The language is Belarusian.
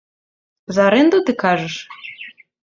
За арэнду, ты кажаш?